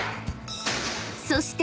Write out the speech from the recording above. ［そして］